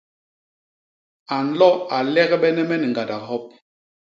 A nlo a légbene me ni ñgandak hop.